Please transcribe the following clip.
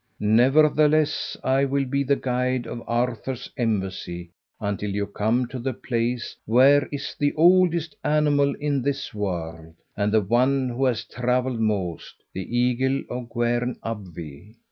Nevertheless, I will be the guide of Arthur's embassy until you come to the place where is the oldest animal in this world, and the one who has travelled most, the eagle of Gwern Abwy."